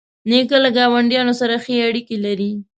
نیکه له ګاونډیانو سره ښې اړیکې لري.